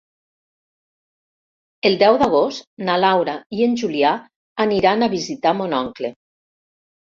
El deu d'agost na Laura i en Julià aniran a visitar mon oncle.